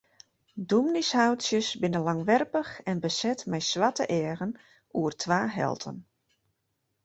Dominyshoutsjes binne langwerpich en beset mei swarte eagen oer twa helten.